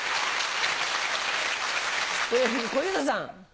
小遊三さん。